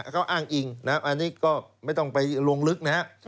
เขาอ้างอิงนะครับอันนี้ก็ไม่ต้องไปลงลึกนะครับ